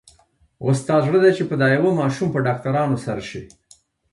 اوس ستا زړه دی چې په دا يوه ماشوم په ډاکټرانو سر شې.